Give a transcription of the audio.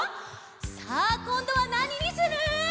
さあこんどはなににする？